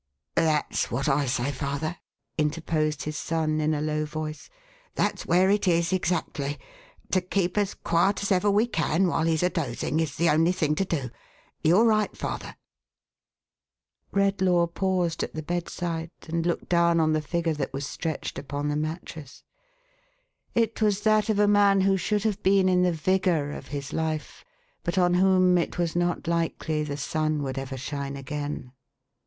"That's what I say, father," interposed his son in a low voice. "That's where it is, exactly. To keep as quiet as ever we can while he's a dozing, is the only thing to do. You're right, father !" Redlaw paused at the bedside, and looked down on the figure that was stretched upon the mattress. It was that of a man, who should have been in the vigour of his life, but on whom it was not likely the sun would ever shine again.